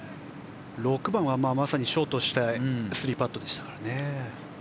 ６番はまさにショートして３パットでしたからね。